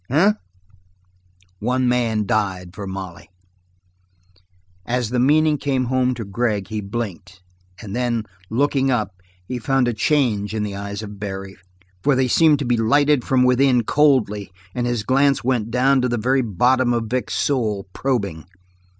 "Eh?" "One man died for Molly." As the meaning came home to Gregg he blinked, and then, looking up, he found a change in the eyes of Barry, for they seemed to be lighted from within coldly, and his glance went down to the very bottom of Vic's soul, probing.